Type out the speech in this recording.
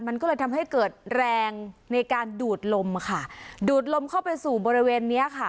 มันก็เลยทำให้เกิดแรงในการดูดลมค่ะดูดลมเข้าไปสู่บริเวณเนี้ยค่ะ